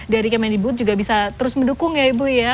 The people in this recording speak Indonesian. dari kemendikbud juga bisa terus mendukung ya ibu ya